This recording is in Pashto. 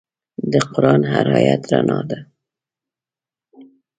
د قرآن هر آیت رڼا ده.